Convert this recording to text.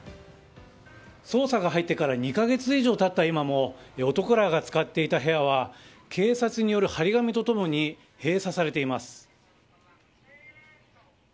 捜査が入ってから２か月以上経った今も男らが使っていた部屋は警察による貼り紙と共に閉鎖されています。